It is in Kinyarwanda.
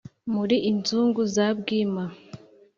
Muri inzungu za Bwima